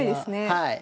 はい。